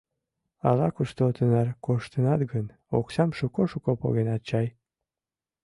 — Ала-кушто тынар коштынат гын, оксам шуко-шуко погенат чай?